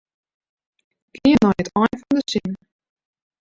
Gean nei it ein fan de sin.